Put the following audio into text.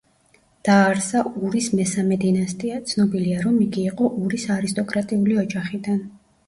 დააარსა ურის მესამე დინასტია, ცნობილია, რომ იგი იყო ურის არისტოკრატიული ოჯახიდან.